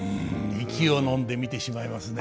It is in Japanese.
息をのんで見てしまいますね。